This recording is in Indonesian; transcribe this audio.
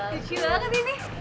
lucu banget ini